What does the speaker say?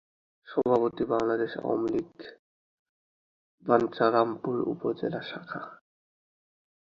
সভাপতি:বাংলাদেশ আওয়ামীলীগ বাঞ্ছারামপুর উপজেলা শাখা।